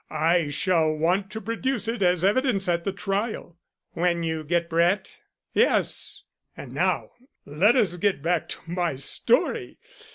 "I shall want to produce it as evidence at the trial." "When you get Brett?" "Yes. And now let us get back to my story.